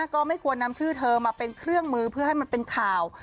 ก็ไม่ควรนำชื่อเธอมาเป็นเครื่องมือเพื่อให้มันเป็นข่าว